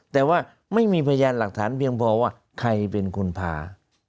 แต่ว่าไม่มีพยานหลักฐานเพียงพอว่าใครเป็นคนพา